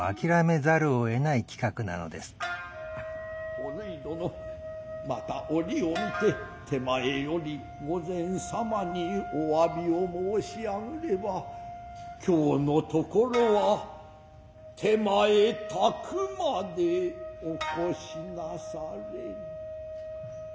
お縫殿又折を見て手前より御前様にお詫びを申し上ぐれば今日のところは手前宅迄お越しなされ。